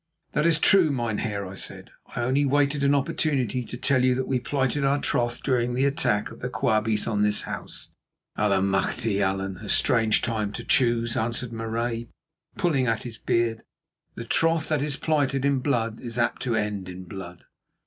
"That is true, mynheer," I said. "I only waited an opportunity to tell you that we plighted our troth during the attack of the Quabies on this house." "Allemachte! Allan, a strange time to choose," answered Marais, pulling at his beard; "the troth that is plighted in blood is apt to end in blood."